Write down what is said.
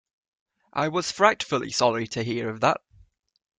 I was frightfully sorry to hear of that.